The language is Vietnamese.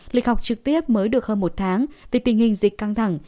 lịch học trực tiếp mới được hơn một tháng vì tình hình dịch căng thẳng